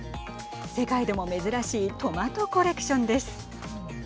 世界でも珍しいトマトコレクションです。